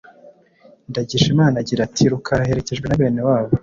Ndagijimana agira ati“Rukara aherekejwe na bene wabo